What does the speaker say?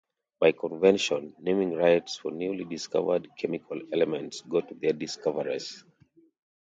By convention, naming rights for newly discovered chemical elements go to their discoverers.